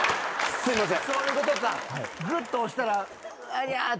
すいません。